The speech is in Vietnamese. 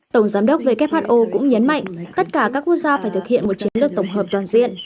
tổng giám đốc who cũng nhấn mạnh tất cả các quốc gia phải thực hiện một chiến lược tổng hợp toàn diện